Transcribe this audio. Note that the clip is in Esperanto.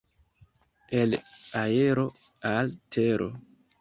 El aero al tero.